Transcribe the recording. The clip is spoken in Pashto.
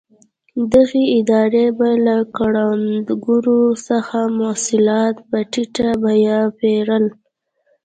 دغې ادارې به له کروندګرو څخه محصولات په ټیټه بیه پېرل.